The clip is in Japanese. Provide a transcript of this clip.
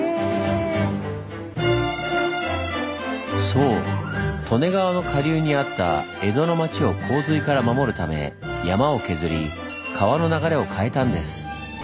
そう利根川の下流にあった江戸の町を洪水から守るため山を削り川の流れを変えたんです。